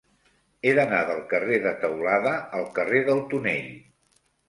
He d'anar del carrer de Teulada al carrer del Tonell.